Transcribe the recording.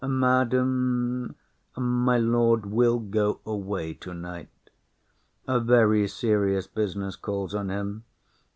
Madam, my lord will go away tonight; A very serious business calls on him.